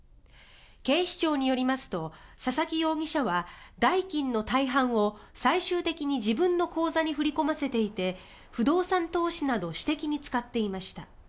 警視庁によりますと佐々木容疑者は代金の大半を最終的に自分の口座に振り込ませていて不動産投資など私的に使っていました。